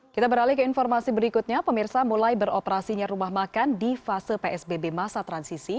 kita beralih ke informasi berikutnya pemirsa mulai beroperasinya rumah makan di fase psbb masa transisi